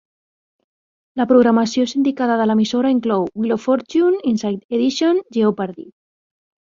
La programació sindicada de l"emissora inclou "Wheel of Fortune", "Inside Edition", "Jeopardy!